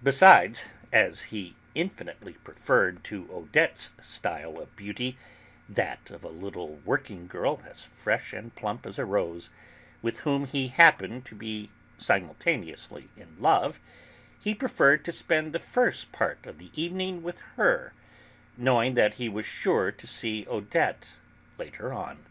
Besides, as he infinitely preferred to Odette's style of beauty that of a little working girl, as fresh and plump as a rose, with whom he happened to be simultaneously in love, he preferred to spend the first part of the evening with her, knowing that he was sure to see Odette later on.